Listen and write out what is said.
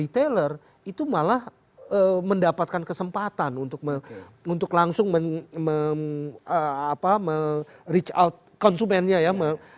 retailer itu malah mendapatkan kesempatan untuk langsung reach out konsumennya ya